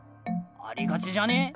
ありがちじゃね？